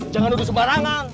jangan duduk sembarangan